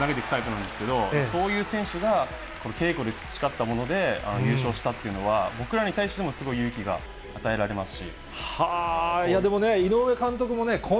地道にこつこつ投げていくタイプなんですけど、そういう選手が稽古で培ったもので優勝したっていうのは、僕らに対してもすごい勇気が与えられますし。